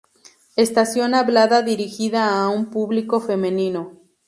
Estación hablada dirigida a un público femenino.